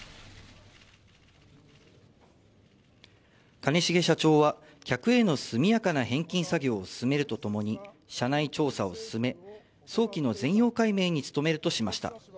兼重社長は客への速やかな返金作業を進めるとともに、社内調査を進め、早期の全容解明に努めるとしました。